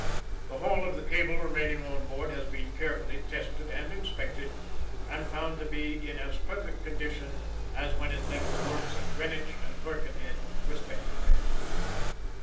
The whole of the cable remaining on board has been carefully tested and inspected, and found to be in as perfect condition as when it left the works at Greenwich and Birkenhead respectively.